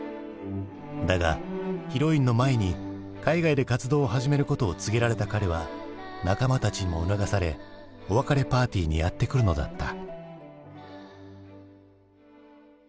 だがヒロインの舞に海外で活動を始めることを告げられた彼は仲間たちにも促されお別れパーティーにやって来るのだった。